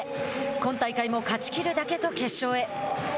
今大会も勝ちきるだけと決勝へ。